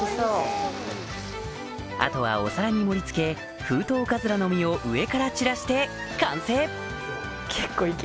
あとはお皿に盛り付けフウトウカズラの実を上から散らして完成！